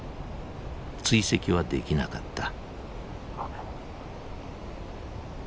追跡はできなかった。